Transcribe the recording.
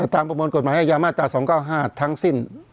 ตามประมวลกฎหมายยามาจารย์๒๙๕ทั้งสิ้น